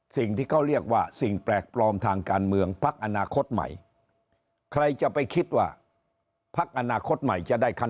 สิ่งที่เขาเรียกว่าสิ่งแปลกปลอมทางการเมืองภัคดิ์อนาคตใหม่